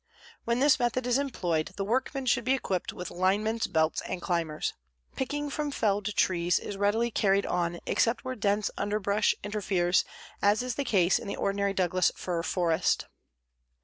When this method is employed, the workmen should be equipped with linemen's belts and climbers. Picking from felled trees is readily carried on except where dense underbrush interferes, as is the case in the ordinary Douglas fir forest.